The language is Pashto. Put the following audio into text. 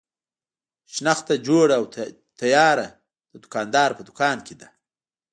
شنخته جوړه او تیاره د دوکاندار په دوکان کې ده.